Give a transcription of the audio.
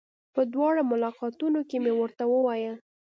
په دواړو ملاقاتونو کې مې ورته وويل.